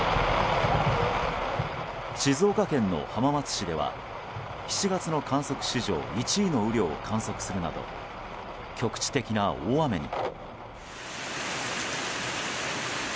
静岡県の浜松市では７月の観測史上１位の雨量を観測するなど局地的な大雨に。